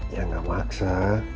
ya gak maksa